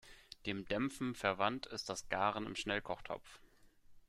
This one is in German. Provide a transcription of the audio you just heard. Dem Dämpfen verwandt ist das Garen im Schnellkochtopf.